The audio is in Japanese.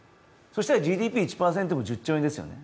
そしたらＧＤＰ１％でも１０兆円ですよね。